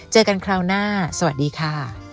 เจอกันคราวหน้าสวัสดีค่ะ